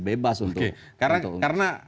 bebas untuk karena